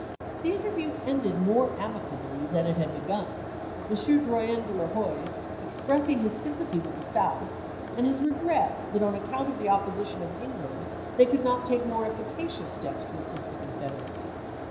The interview ended more amicably than it had begun ; M. Drouyn de 1' Huys expressing his sympathy with the South, and his regret that on account of the opposition of England they could not take more efficacious steps to assist the Con federacy.